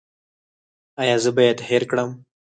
ایا زه باید هیر کړم؟